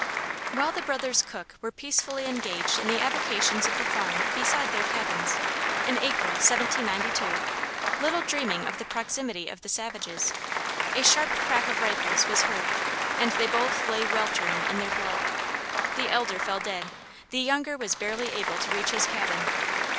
While the brothers Cook were peacefully engaged in the avocations of the farm beside their cabins, in April, 1792, little dreaming of the proximity of the savages, a sharp crack of rifles was heard and they both lay weltering in their blood. The elder fell dead, the younger was barely able to reach his cabin.